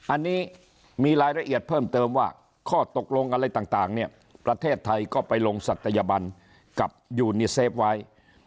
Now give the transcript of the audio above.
อันนี้มีรายละเอียดเพิ่มเติมว่าข้อตกลงอะไรต่างเนี่ยประเทศไทยก็ไปลงศัตยบันกับยูนิเซฟไว้